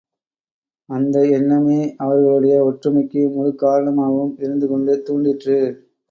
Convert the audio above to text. அந்த எண்ணமே அவர்களுடைய ஒற்றுமைக்கு முழுக்காரணமாகவும் இருந்துகொண்டு தூண்டிற்று.